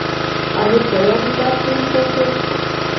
— Але тый агитацийым колтет?